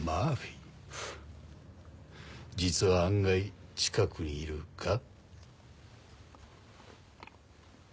実は案外近くにいるか？